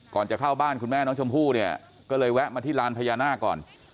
ก่อนจะเข้าบ้านคุณแม่น้องชมพู่เนี่ยก็เลยแวะมาที่ลานพญานาคก่อน